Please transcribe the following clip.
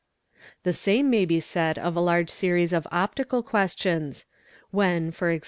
The same may be said of a large series of optical questions, when, e.g.